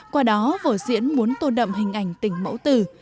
qua đó vở diễn muốn tôn đậm hình ảnh tình mẫu tử